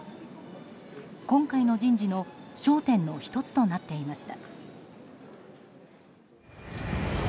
今回の人事の焦点の１つとなっていました。